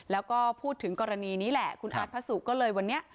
แล้วก็พูดถึงกรณีนี้แหละคุณอาร์ตพระสุก็เลยวันนี้